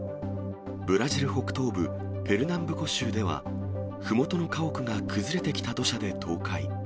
ブラジル北東部、ペルナンブコ州では、ふもとの家屋が崩れてきた土砂で倒壊。